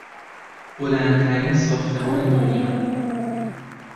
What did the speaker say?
بلندترین ساختمان دنیا